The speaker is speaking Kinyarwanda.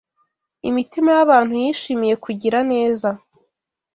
imitima y’abantu yishimiye kugira neza